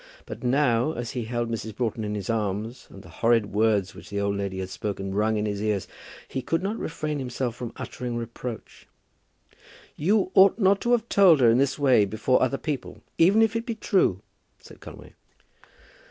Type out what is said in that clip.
But now, as he held Mrs. Broughton in his arms, and as the horrid words which the old woman had spoken rung in his ears, he could not refrain himself from uttering reproach. "You ought not to have told her in this way, before other people, even if it be true," said Conway.